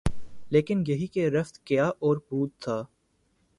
لیکن یہی کہ رفت، گیا اور بود تھا